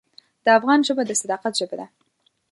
د افغان ژبه د صداقت ژبه ده.